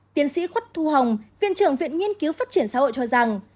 tiến sĩ khuất thu hồng viện trưởng viện nghiên cứu phát triển xã hội cho rằng